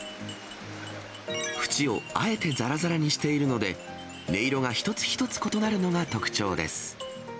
縁をあえてざらざらにしているので、音色が一つ一つ異なるのが特徴です。